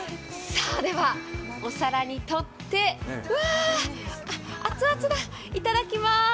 お皿にとって、うわー熱々だ、いただきます。